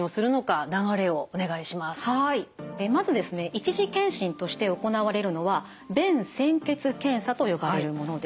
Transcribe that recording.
１次検診として行われるのは便潜血検査と呼ばれるものです。